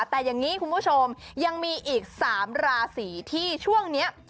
แต่อย่างนี้คุณผู้ชมยังมีอีก๓ราศีที่ช่วงนี้